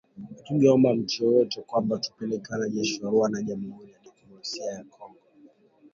Hatujaomba mtu yeyote kwamba tupeleke wanajeshi wa Rwanda jamhuri ya kidemokrasia ya Kongo